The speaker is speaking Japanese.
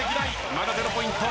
まだゼロポイント。